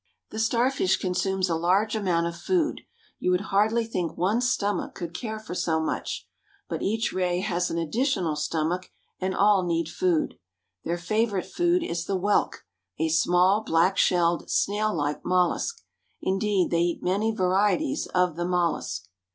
The star fish consumes a large amount of food; you would hardly think one stomach could care for so much, but each ray has an additional stomach, and all need food. Their favorite food is the whelk, a small black shelled, snail like mollusk. Indeed, they eat many varieties of the mollusk.